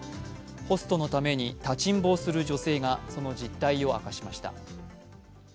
ホストのために立ちんぼをする女性がその実態を明かしました。